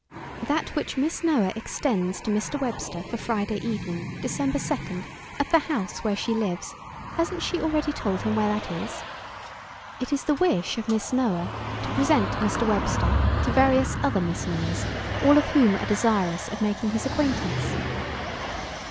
_ That which Miss Noah extends to Mr. Webster for Friday evening, December second, at the house where she lives hasn't she already told him where that is? It is the wish of Miss Noah to present Mr. Webster to various other Miss Noahs, all of whom are desirous of making his acquaintance."